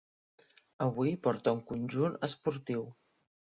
Avui porta un conjunt esportiu.